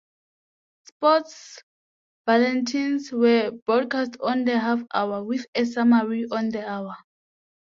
Sports bulletins were broadcast on the half-hour, with a summary on the hour.